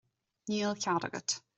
Níl cead agat.